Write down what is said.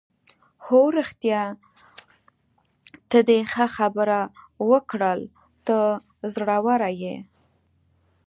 هو رښتیا، ته دې ښه خبره وکړل، ته زړوره یې.